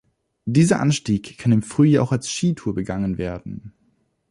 Dieser Anstieg kann im Frühjahr auch als Skitour begangen werden.